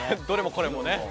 どれも「これも」ね。